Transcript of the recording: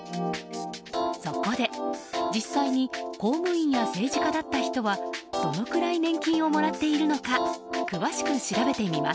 そこで、実際に公務員や政治家だった人はどのくらい年金をもらっているのか詳しく調べてみます。